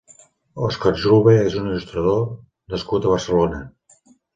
Òscar Julve és un il·lustrador nascut a Barcelona.